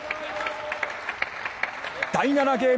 第７ゲーム